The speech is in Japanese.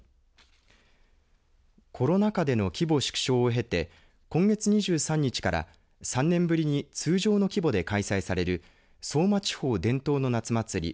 コロナ禍での規模縮小を経て今月２３日から３年ぶりに通常の規模で開催される相馬地方伝統の夏祭り